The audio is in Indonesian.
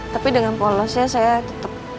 tapi dengan polosnya saya tetap